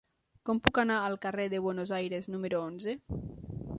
Com puc anar al carrer de Buenos Aires número onze?